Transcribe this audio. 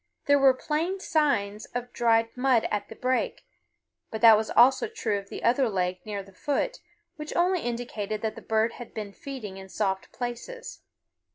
There were plain signs of dried mud at the break; but that was also true of the other leg near the foot, which only indicated that the bird had been feeding in soft places.